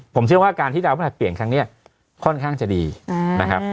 ผมเชื่อว่าการที่ดาวพระหัสเปลี่ยนครั้งนี้ค่อนข้างจะดีนะครับ